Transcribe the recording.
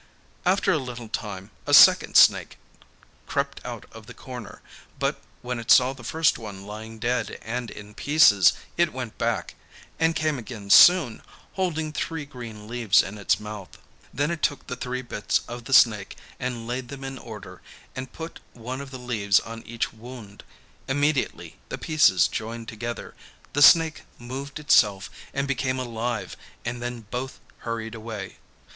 After a little time a second snake crept out of the corner, but when it saw the first one lying dead and in pieces it went back and came again soon, holding three green leaves in its mouth. Then it took the three bits of the snake and laid them in order, and put one of the leaves on each wound. Immediately the pieces joined together, the snake moved itself and became alive and then both hurried away.